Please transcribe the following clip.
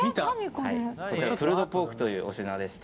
こちらがプルドポークというお品でして。